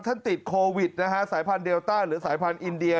ติดโควิดนะฮะสายพันธุเดลต้าหรือสายพันธุ์อินเดีย